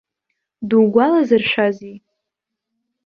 Дугәалазыршәазеи?